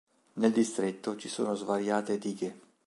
Nel distretto ci sono svariate dighe.